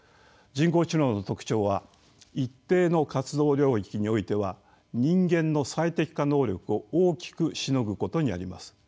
人工知能の特徴は一定の活用領域においては人間の最適化能力を大きくしのぐことにあります。